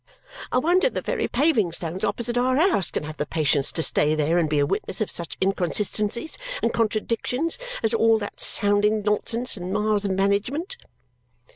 I wonder the very paving stones opposite our house can have the patience to stay there and be a witness of such inconsistencies and contradictions as all that sounding nonsense, and Ma's management!"